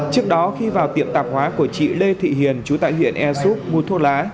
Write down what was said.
trước đó khi vào tiệm tạp hóa của chị lê thị hiền trú tại huyện air soup ngùa thuốc lá